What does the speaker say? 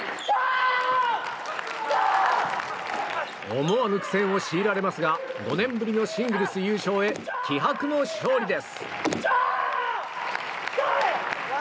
思わぬ苦戦を強いられますが５年ぶりのシングルス優勝へ気迫の勝利です。